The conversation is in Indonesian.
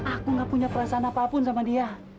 aku gak punya perasaan apapun sama dia